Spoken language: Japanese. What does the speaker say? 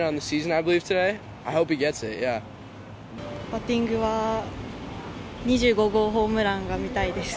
バッティングは２５号ホームランが見たいです。